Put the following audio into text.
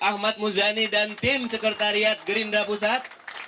ahmad muzani dan tim sekretariat gerindra pusat